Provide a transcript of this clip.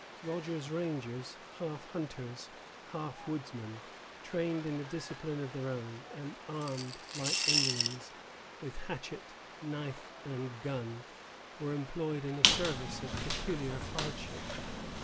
Rogers's Rangers, half hunters, half woodsmen, trained in a discipline of their own, and armed, like Indians, with hatchet, knife, and gun, were employed in a service of peculiar hardship.